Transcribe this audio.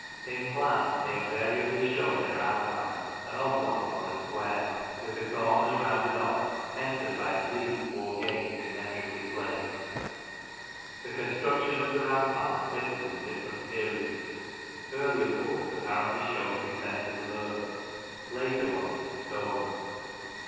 In plan they invariably shew in their outline an oblong or a square, with the corners rounded off, entered by at least four gates symmetrically placed. The construction of the rampart differs in different periods, earlier forts apparently shewing defences of earth, later ones of stone.